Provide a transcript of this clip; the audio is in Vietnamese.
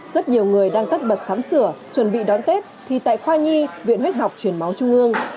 rất nhiều người đang tất bật sắm sửa chuẩn bị đón tết thì tại khoa nhi viện huyết học truyền máu trung ương